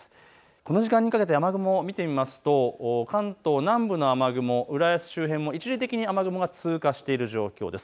この時間にかけて雨雲を見てみますと関東南部の雨雲、浦安周辺も一時的に雨雲が通過している状況です。